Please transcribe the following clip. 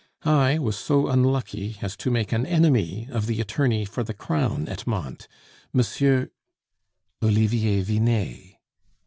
I was so unlucky as to make an enemy of the attorney for the crown at Mantes, Monsieur " "Olivier Vinet."